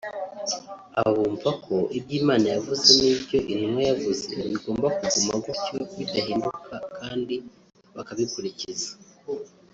abo bumva ko ibyo Imana yavuze n’ibyo intumwa yavuze bigomba kuguma gutyo bidahinduka kandi bakabikurikiza